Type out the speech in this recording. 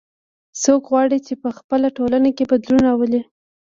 څوک غواړي چې په خپله ټولنه کې بدلون راولي